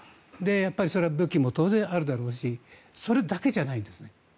やっぱりそれは当然、武器もあるだろうしそれだけじゃないんですね。